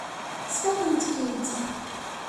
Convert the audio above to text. Sfaqent-k-id.